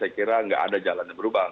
saya kira nggak ada jalan yang berubah